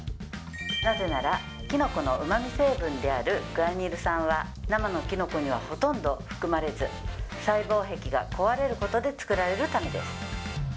なぜなら、きのこのうまみ成分であるグアニル酸は、生のきのこにはほとんど含まれず、細胞壁が壊れることで作られるためです。